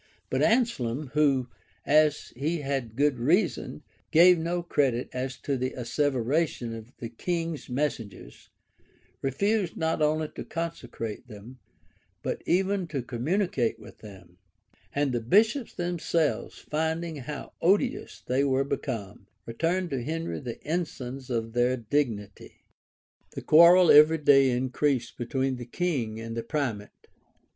[*] But Anselm, who, as he had good reason, gave no credit to the asseveration of the king's messengers, refused not only to consecrate them, but even to communicate with them; and the bishops' themselves, finding how odious they were become, returned to Henry the ensigns of their dignity. The quarrel every day increased between the king and the primate.